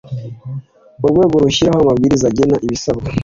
urwego rushyiraho amabwiriza agena ibisabwa